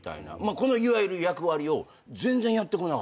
このいわゆる役割を全然やってこなかったのさまぁず。